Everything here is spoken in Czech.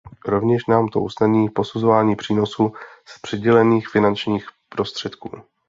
Rovněž nám to usnadní posuzování přínosů z přidělených finančních prostředků.